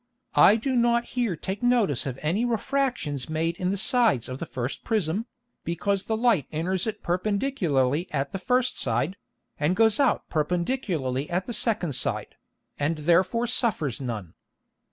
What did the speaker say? I do not here take Notice of any Refractions made in the sides of the first Prism, because the Light enters it perpendicularly at the first side, and goes out perpendicularly at the second side, and therefore suffers none.